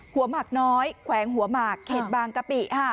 หัวหมักน้อยแขวงหัวหมักเข็ดบางกะปิ